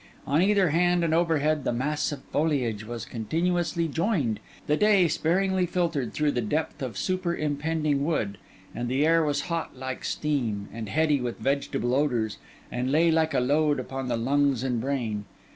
On either hand and overhead, the mass of foliage was continuously joined; the day sparingly filtered through the depth of super impending wood; and the air was hot like steam, and heady with vegetable odours, and lay like a load upon the lungs and brain.